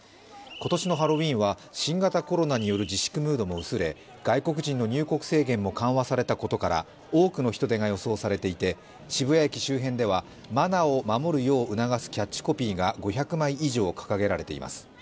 今年のハロウィーンは新型コロナによる自粛ムードも薄れ、外国人の入国制限も緩和されたことから多くの人出が予想されていて渋谷駅周辺ではマナーを守るよう促すキャッチコピーが５００枚以上、掲げられています。